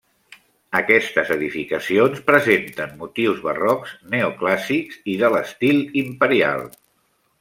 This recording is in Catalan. Aquestes edificacions presenten motius barrocs, neoclàssics i de l'estil imperial.